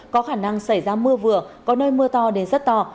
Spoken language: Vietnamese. có khả năng xảy ra mưa vừa có nơi mưa to đến rất to